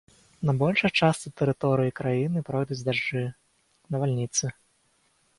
На большай частцы тэрыторыі краіны пройдуць дажджы, навальніцы.